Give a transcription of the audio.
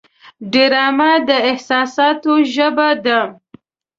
ډرامه د احساساتو ژبه ده